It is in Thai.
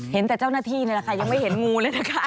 เห็นแต่เจ้าหน้าที่นี่แหละค่ะยังไม่เห็นงูเลยนะคะ